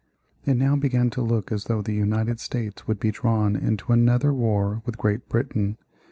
It now began to look as though the United States would be drawn into another war with Great Britain.